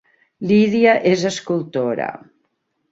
Lídia és escultora